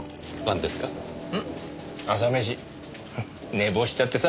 寝坊しちゃってさ。